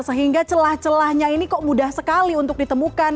sehingga celah celahnya ini kok mudah sekali untuk ditemukan